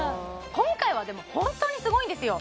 今回はでも本当にすごいんですよ